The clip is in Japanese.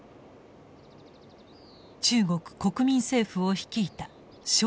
中国国民政府を率いた介石。